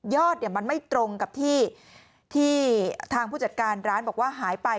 อดมันไม่ตรงกับที่ทางผู้จัดการร้านบอกว่าหายไป